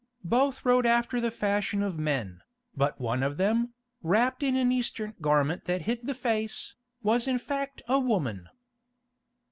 Both rode after the fashion of men, but one of them, wrapped in an Eastern garment that hid the face, was in fact a woman.